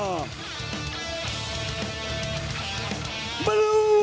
สิ่งสิทธิ์เจ๊ปริมเอาชนะชัดเปลี่ยนของเราครับ